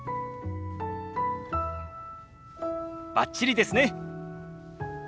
バッチリですね！